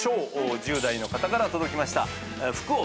１０代の方から届きました。